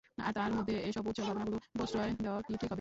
আর তার মধ্যে এসব উচ্ছ্বল ভাবনাগুলোকে প্রশ্রয় দেওয়া কী ঠিক হবে?